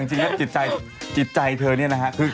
เรื่องของเธอแต่จิตใจเธอนี่นะครับ